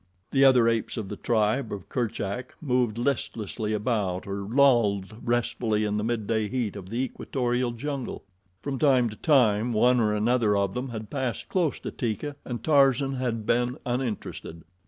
The other apes of the tribe of Kerchak moved listlessly about or lolled restfully in the midday heat of the equatorial jungle. From time to time one or another of them had passed close to Teeka, and Tarzan had been uninterested.